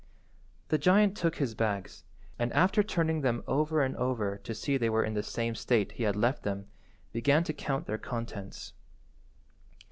The giant took his bags, and after turning them over and over to see they were in the same state he had left them, began to count their contents.